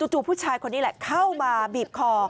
ผู้ชายคนนี้แหละเข้ามาบีบคอ